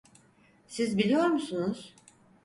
Siz biliyor musunuz?